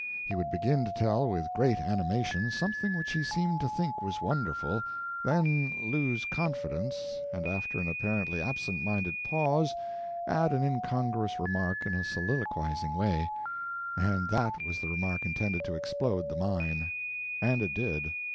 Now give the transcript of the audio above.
He would begin to tell with great animation something which he seemed to think was wonderful; then lose confidence, and after an apparently absent minded pause add an incongruous remark in a soliloquizing way; and that was the remark intended to explode the mine and it did.